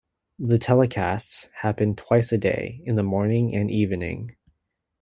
The telecasts happened twice a day, in the morning and evening.